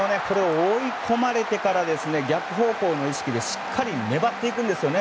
追い込まれてから逆方向の意識でしっかり粘っていくんですね。